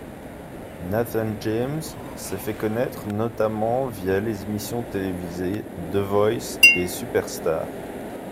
Nathan James s'est fait connaître notamment via les émissions télévisées The Voice et Superstar.